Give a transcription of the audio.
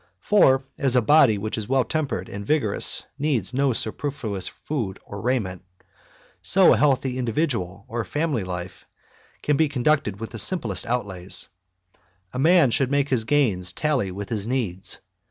For as a body which is well tempered and vigorous needs no superfluous food or raiment, so a healthy individual or family life can be con ducted with the simplest outlays, A man should make his gains tally with his needs.